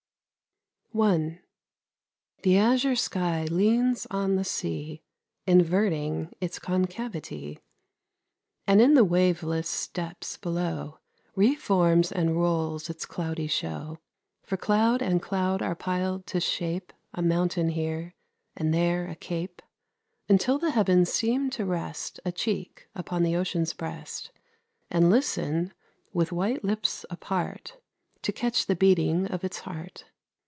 I. The azure sky leans on the sea, Inverting its concavity, And in the waveless depths below Re forms and rolls its cloudy show; For cloud and cloud are piled to shape A mountain here, and there a cape, Until the heavens seem to rest A cheek upon the ocean's breast, And listen, with white lips apart, To catch the beating of its heart.